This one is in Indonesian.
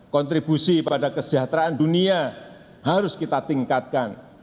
kontribusi pada kesejahteraan dunia harus kita tingkatkan